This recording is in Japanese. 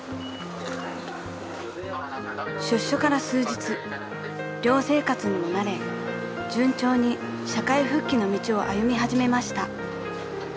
［出所から数日寮生活にも慣れ順調に社会復帰の道を歩み始めました］